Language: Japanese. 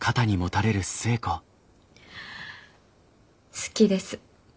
好きです。